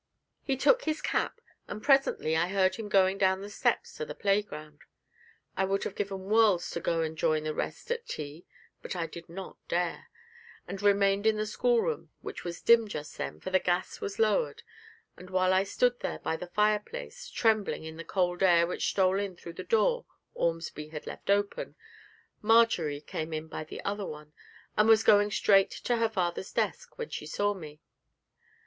He took his cap, and presently I heard him going down the steps to the playground. I would have given worlds to go and join the rest at tea, but I did not dare, and remained in the schoolroom, which was dim just then, for the gas was lowered; and while I stood there by the fireplace, trembling in the cold air which stole in through the door Ormsby had left open, Marjory came in by the other one, and was going straight to her father's desk, when she saw me.